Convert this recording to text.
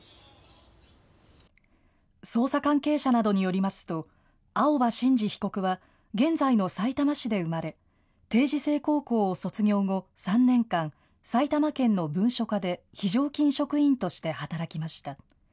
捜査関係者などによりますと青葉真司被告は現在のさいたま市で生まれ定時制高校を卒業後、３年間、埼玉県の文書課で非常勤職員として働きました。